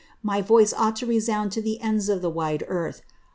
My voice ought to resound to the ends of the wide earth.